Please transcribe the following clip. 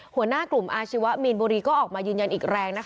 หัวหน้ากลุ่มอาชีวะมีนบุรีก็ออกมายืนยันอีกแรงนะคะ